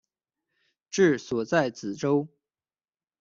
治所在梓州。